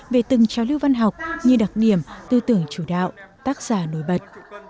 về từng trào lưu văn học như đặc điểm tư tưởng chủ đạo tác giả nổi bật